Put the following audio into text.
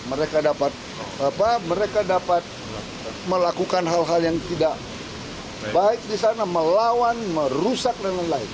mereka dapat melakukan hal hal yang tidak baik di sana melawan merusak dan lain lain